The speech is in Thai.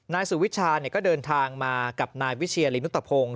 นายสุวิชาก็เดินทางมากับนายวิเชียลินุตพงศ์